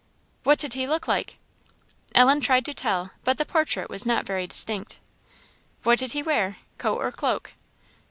"What did he look like?" Ellen tried to tell, but the portrait was not very distinct. "What did he wear? Coat or cloak?"